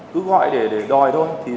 cứ gọi thôi